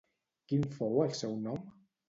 Quin fou el seu nom?